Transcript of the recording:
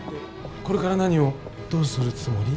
これから何をどうするつもり？